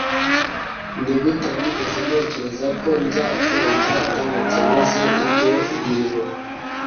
nigute nigeze ntekereza ko nzakonja ndamutse nkoze ibyo bintu